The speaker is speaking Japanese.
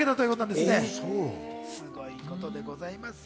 すごいことでございますよ。